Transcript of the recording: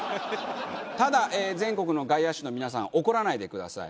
ただ全国の外野手の皆さん怒らないでください。